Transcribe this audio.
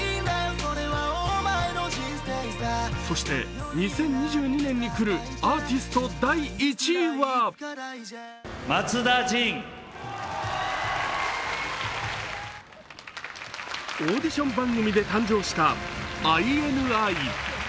そして２０２２年にくるアーティスト第１位はオーディション番組で誕生したＩＮＩ。